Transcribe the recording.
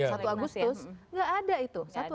satu agustus nggak ada itu